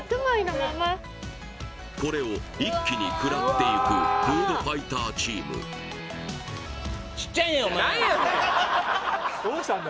これを一気に食らっていくフードファイターチーム何やねん！